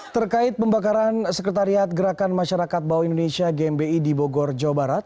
terkait pembakaran sekretariat gerakan masyarakat bawah indonesia gmbi di bogor jawa barat